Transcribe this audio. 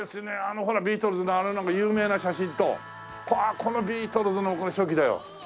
ほらビートルズのあの有名な写真とこのビートルズのこれ初期だよ。